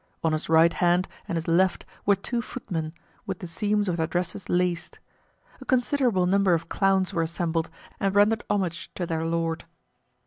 On his right hand and his left were two footmen, with the seams of their dresses laced. A considerable number of clowns were assembled and rendered homage to their lord.